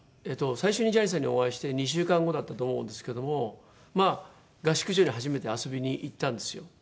最初にジャニーさんにお会いして２週間後だったと思うんですけどもまあ合宿所に初めて遊びに行ったんですよ。